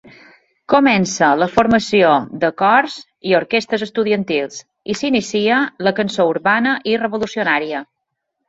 Comença la formació de cors i orquestres estudiantils, i s'inicia la cançó urbana i revolucionària.